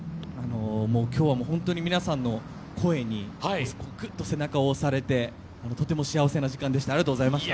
今日は、本当に皆さんの声にぐっと背中を押されてとても幸せな時間でした。